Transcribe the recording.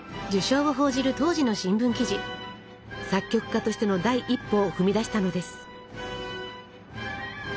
作曲家としての第一歩を踏み出したのです。